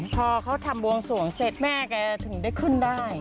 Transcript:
พอเขาทำบวงสวงเสร็จแม่แกถึงได้ขึ้นได้